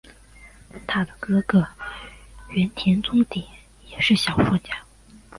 她的哥哥原田宗典也是小说家。